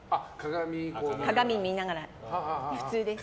鏡見ながら、普通です。